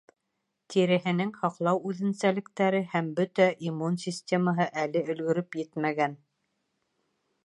Тиреһенең һаҡлау үҙенсәлектәре һәм бөтә иммун системаһы әле өлгөрөп етмәгән.